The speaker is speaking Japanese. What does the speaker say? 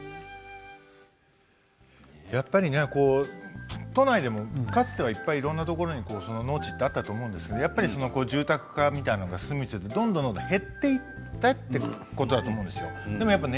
やっぱりね都内でも、かつてはいろいろなところに農地があったと思うんですけれど住宅化みたいなのが進んでどんどん減っていったということだと思うんですよ。